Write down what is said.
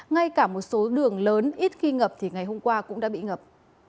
ngay cả một số đường lớn ít khi ngập thì ngày hôm qua cũng đã bị ngập